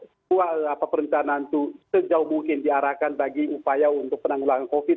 semua perencanaan itu sejauh mungkin diarahkan bagi upaya untuk penanggulangan covid